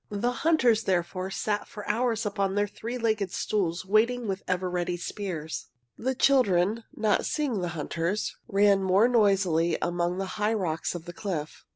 The hunters, therefore, sat for hours upon their three legged stools, waiting with ever ready spears. The children, not seeing the hunters, ran more noisily among the high rocks of the cliff.